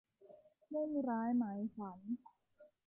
มุ่งร้ายหมายขวัญ